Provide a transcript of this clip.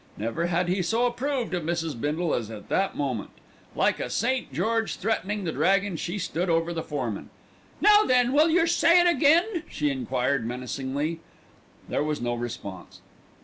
Never had he so approved of Mrs. Bindle as at that moment. Like a St. George threatening the dragon she stood over the foreman. "Now then, will yer say it again?" she enquired menacingly. There was no response.